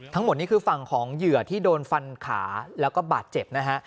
ทั้งหมดนี้คือฝั่งของเหยื่อที่โดนฟันขาแล้วก็บาดเจ็บนะฮะ